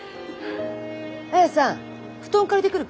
綾さん布団借りてくるかい？